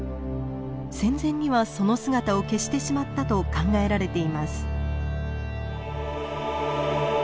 戦前にはその姿を消してしまったと考えられています。